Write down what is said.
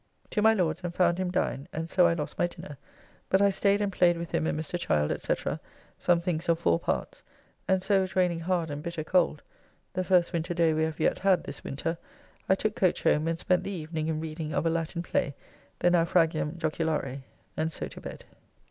To my Lord's and found him dined, and so I lost my dinner, but I staid and played with him and Mr. Child, &c., some things of four parts, and so it raining hard and bitter cold (the first winter day we have yet had this winter), I took coach home and spent the evening in reading of a Latin play, the "Naufragium Joculare." And so to bed.